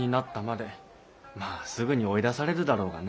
まあすぐに追い出されるだろうがね。